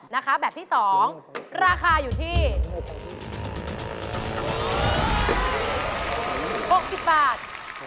นะคะแบบที่๒ราคาอยู่ที่๖๐บาท